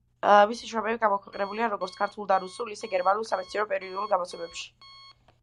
მისი შრომები გამოქვეყნებულია როგორც ქართულ და რუსულ, ისე გერმანულ სამეცნიერო პერიოდულ გამოცემებში.